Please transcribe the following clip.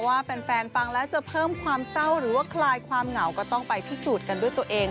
ว่าแฟนฟังแล้วจะเพิ่มความเศร้าหรือว่าคลายความเหงาก็ต้องไปพิสูจน์กันด้วยตัวเอง